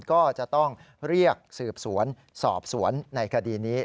ก็จะต้องเรียกสืบสวนสอบสวนในคดีนี้